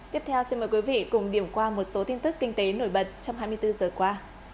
tiếp theo xin mời quý vị cùng điểm qua một số tin tức kinh tế nổi bật trong hai mươi bốn giờ qua